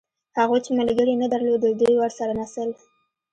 هغوی چې ملګري یې نه درلودل دوی ورسره نڅل.